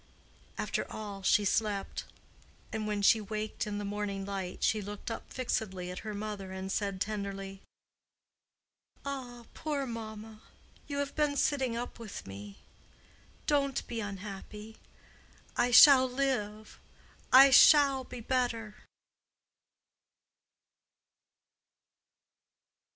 After all, she slept; and when she waked in the morning light, she looked up fixedly at her mother and said tenderly, "Ah, poor mamma! You have been sitting up with me. Don't be unhappy. I shall live. I shall be better."